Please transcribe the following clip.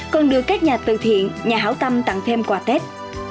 còn được các nhà từ thiện nhà hảo tâm tặng thêm quà tết